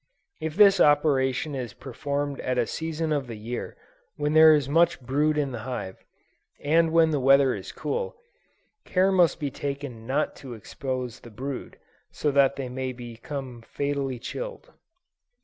If this operation is performed at a season of the year when there is much brood in the hive, and when the weather is cool, care must be taken not to expose the brood, so that it may become fatally chilled.